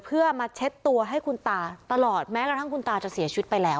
เพื่อมาเช็ดตัวให้คุณตาตลอดแม้กระทั่งคุณตาจะเสียชีวิตไปแล้ว